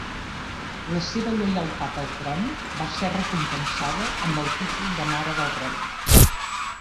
La seva lleialtat al tron va ser recompensada amb el títol de mare del rei.